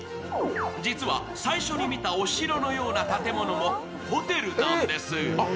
実は、最初に見たお城のような建物もホテルなんです。